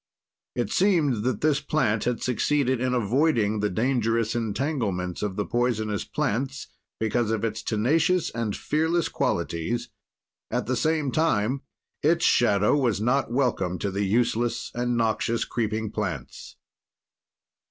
It seemed that this plant had succeeded in avoiding the dangerous entanglements of the poisonous plants because of its tenacious and fearless qualities, at the same time its shadow was not welcome to the useless and noxious creeping plants.